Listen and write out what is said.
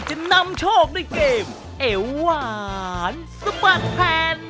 จำนำโชคได้เกมเกมไอวหวานสบ๊ดแพน